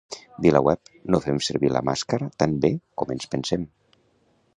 VilaWeb: ‘No fem servir la màscara tan bé com ens pensem’